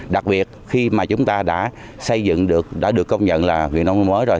đặc biệt khi mà chúng ta đã xây dựng được đã được công nhận là huyện nông mới rồi